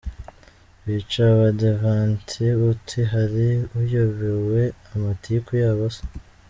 – Bica Abadiventi uti “hari uyobewe amatiku yabo se !”